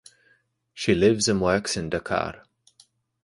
She lives and works in Dakar.